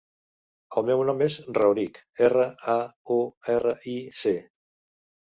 El meu nom és Rauric: erra, a, u, erra, i, ce.